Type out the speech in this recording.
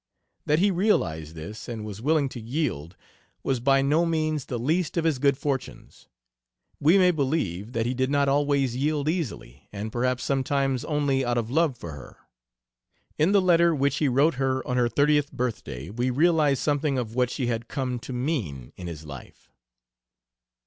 That he realized this, and was willing to yield, was by no means the least of his good fortunes. We may believe that he did not always yield easily, and perhaps sometimes only out of love for her. In the letter which he wrote her on her thirtieth birthday we realize something of what she had come to mean in his life.